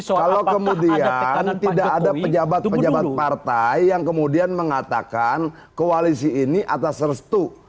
kalau kemudian tidak ada pejabat pejabat partai yang kemudian mengatakan koalisi ini atas restu